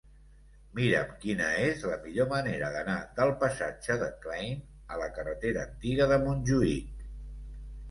Mira'm quina és la millor manera d'anar del passatge de Klein a la carretera Antiga de Montjuïc.